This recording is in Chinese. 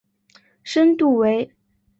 深度为。